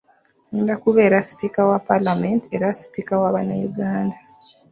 Ngenda kubeera Sipiika wa Palamenti era Sipiika wa bannayuganda.